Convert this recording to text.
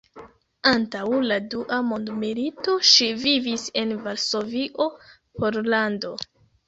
Antaŭ la Dua mondmilito ŝi vivis en Varsovio, Pollando.